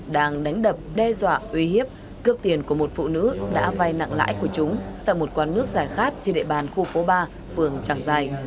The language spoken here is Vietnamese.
đang đánh đập đe dọa uy hiếp cướp tiền của một phụ nữ đã vay nặng lãi của chúng tại một quán nước giải khát trên địa bàn khu phố ba phường trảng giài